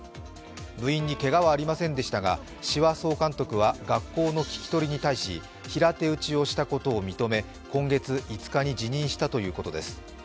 部員にけがはありませんでしたが、志波総監督は学校の聞き取りに対し、平手打ちをしたことを認め、今月５日に辞任したということです。